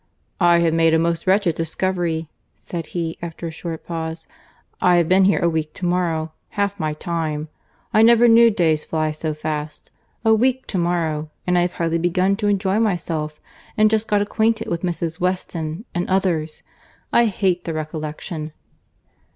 "I have made a most wretched discovery," said he, after a short pause.— "I have been here a week to morrow—half my time. I never knew days fly so fast. A week to morrow!—And I have hardly begun to enjoy myself. But just got acquainted with Mrs. Weston, and others!—I hate the recollection."